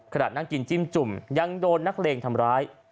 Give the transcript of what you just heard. ขณะนั่งกินจิ้มจุ่มยังโดนนักเลงทำร้าย